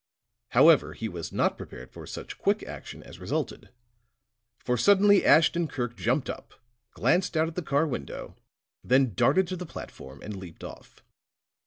However, he was not prepared for such quick action as resulted; for suddenly Ashton Kirk jumped up, glanced out at the car window, then darted to the platform and leaped off.